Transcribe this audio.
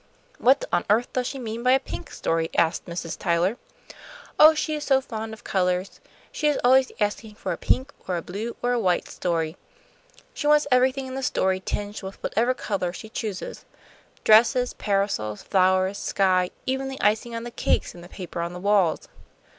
"What on earth does she mean by a pink story?" asked Mrs. Tyler. "Oh, she is so fond of colours. She is always asking for a pink or a blue or a white story. She wants everything in the story tinged with whatever colour she chooses, dresses, parasols, flowers, sky, even the icing on the cakes and the paper on the walls."